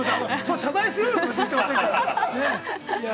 ◆謝罪するようなことは別に言ってませんから。